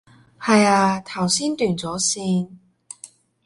係啊，頭先斷咗線